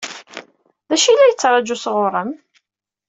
D acu i la yettṛaǧu sɣur-m?